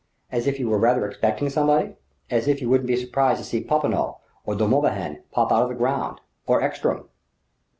as if you were rather expecting somebody as if you wouldn't be surprised to see Popinot or De Morbihan pop out of the ground or Ekstrom!"